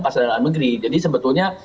pasar dalam negeri jadi sebetulnya